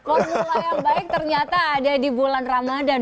formula yang baik ternyata ada di bulan ramadan